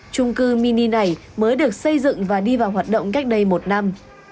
trung cư mini này mới được xây dựng và đi vào hoạt động cách đây một năm